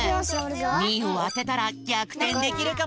２いをあてたらぎゃくてんできるかもよ。